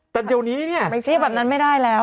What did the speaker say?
แต่เดี๋ยวนี้เนี่ยไปซื้อแบบนั้นไม่ได้แล้ว